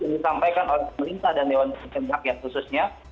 yang disampaikan oleh pemerintah dan dewan perwakilan rakyat khususnya